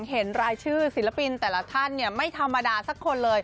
เห็นรายชื่อศิลปินแต่ละท่านไม่ธรรมดาสักคนเลย